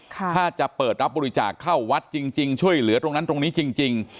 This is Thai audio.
ถ้าจะเปิดรับบริจาคเข้าวัดจริงช่วยเหลือตรงนั้นตรงนี้จริง